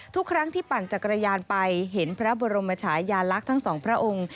ทุกครั้งที่ปั่นจักรยานไปเห็นพระบรมชายาลักษณ์ทั้งสองพระองค์